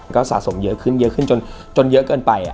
ก็สะสมเยอะขึ้นเยอะขึ้นจนเยอะเกินไป